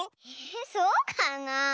えそうかなあ？